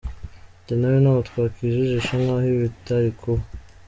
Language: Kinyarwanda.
Njye nawe ntago twakijijisha nk’aho ibi bitari kuba.